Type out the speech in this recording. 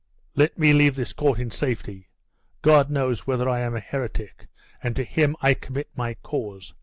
'Let me leave this court in safety! God knows whether I am a heretic; and to Him I commit my cause!